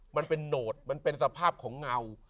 มันเป็นโหนดมันเป็นสภาพของเงา